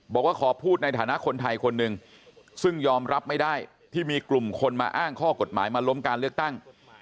บอกว่าขอพูดในฐานะคนไทยคนหนึ่งซึ่งยอมรับไม่ได้ที่มีกลุ่มคนมาอ้างข้อกฎหมายมาล้มการเลือกตั้ง